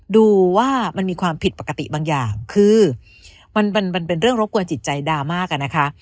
ดูว่ามันมีความผิดปกติบางอย่างคือมันเป็นเรื่องรบกวนจิตใจดราม่าอะนะคะ